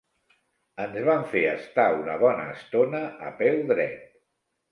Ens van fer estar una bona estona a peu dret.